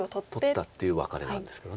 取ったっていうワカレなんですけど。